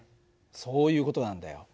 そういう事なんだよ。